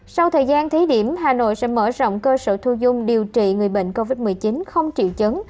sau thời gian thí điểm hà nội sẽ mở rộng cơ sở thu dung điều trị người bệnh covid một mươi chín không triệu chứng